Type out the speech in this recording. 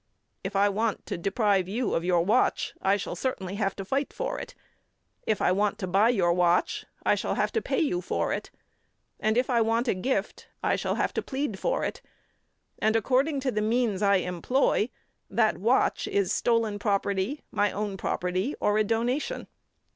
If I want to deprive you of your watch, I shall certainly have to fight for it; if I want to buy your watch, I shall have to pay you for it; and, if I want a gift, I shall have to plead for it; and, according to the means I employ, the watch is stolen property, my own property, or a donation.